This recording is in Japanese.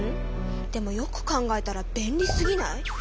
でもよく考えたら便利すぎない？